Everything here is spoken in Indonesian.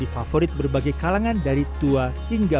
dan juga ini adalah satu dari banyak makanan yang diberikan oleh pangsit